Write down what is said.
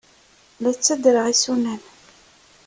La ttadreɣ isunan.